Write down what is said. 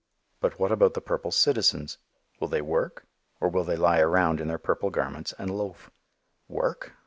But what about the purple citizens? Will they work, or will they lie round in their purple garments and loaf? Work?